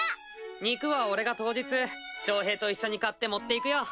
肉は俺が当日翔平と一緒に買って持っていくよ。